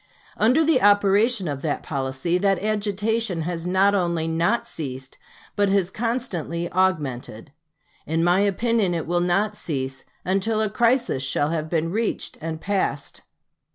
Under the operation of that policy, that agitation has not only not ceased, but has constantly augmented. In my opinion it will not cease until a crisis shall have been reached and passed.